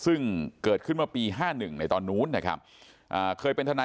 ซึ่งเกิดขึ้นมาปี่ในตอนนู้นนะครับอ่า